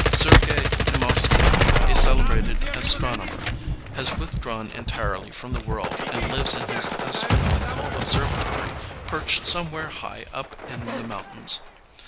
Sergey Temovsky, a cele brated astronomer, has withdrawn entirely from the world and lives in his astronomical observatory perched somewhere high up in the mountains.